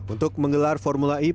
untuk menggelar formula i